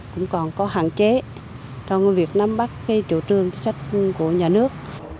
cũng còn có hạn chế trong việc nắm bắt cái chiều trường của nhà nước